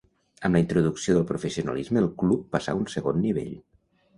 Amb la introducció del professionalisme el club passà a un segon nivell.